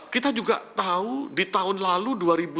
kita juga tahu di tahun lalu dua ribu dua puluh